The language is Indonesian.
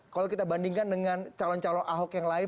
kalau kita bandingkan dengan calon calon ahok yang lain